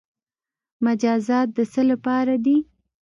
مجازات د څه لپاره دي؟